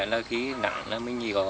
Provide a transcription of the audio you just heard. là cái nặng là mới nhiều